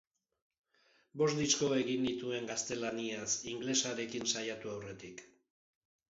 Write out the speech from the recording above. Bost disko egin nituen gaztelaniaz, ingelesarekin saiatu aurretik.